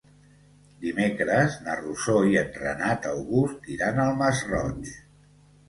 Dimecres na Rosó i en Renat August iran al Masroig.